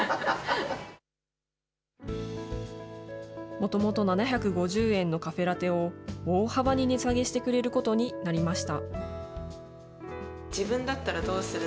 もともと７５０円のカフェラテを、大幅に値下げしてくれることになりました。